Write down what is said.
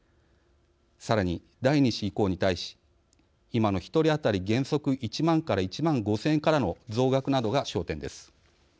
さらに第２子以降に対し今の１人当たり原則１万から１万５０００円からの増額などが焦点です。